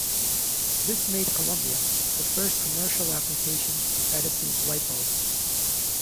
This made "Columbia" the first commercial application of Edison's light bulb.